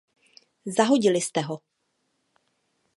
Zahodili jste ho!